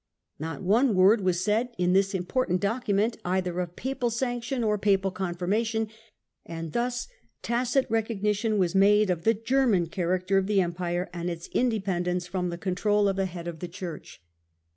Not one word was said in this important document either of Papal Sanction or Papal confirmation, and thus tacit recognition was made of the German character of the Empire and its in dependence from the control of the Head of the Church.